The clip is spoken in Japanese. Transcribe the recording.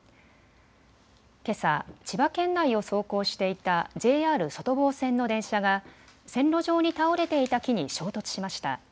けさ、千葉県内を走行していたＪＲ外房線の電車が線路上に倒れていた木に衝突しました。